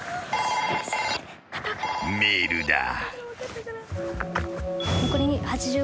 ［メールだ］